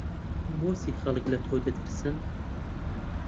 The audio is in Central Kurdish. بۆچی خەڵک لە تۆ دەترسن؟